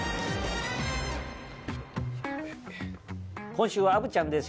今週は虻ちゃんです